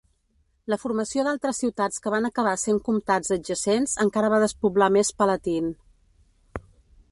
La formació d'altres ciutats que van acabar sent comtats adjacents encara va despoblar més Palatine.